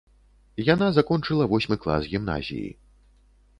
Яна закончыла восьмы клас гімназіі.